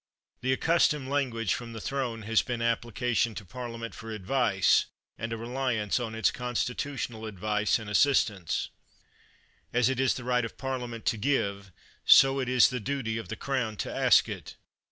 The ac customed language from the Throne has been application to Parliament for advice, and a re liance on its constitutional advice and assistance. 212 CHATHAM As it is the right of Parliament to give, so it is the duty of the Crown to ask it.